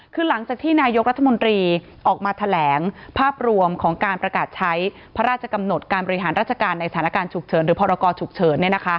คือหลังจากที่นายกรัฐมนตรีออกมาแถลงภาพรวมของการประกาศใช้พระราชกำหนดการบริหารราชการในสถานการณ์ฉุกเฉินหรือพรกรฉุกเฉิน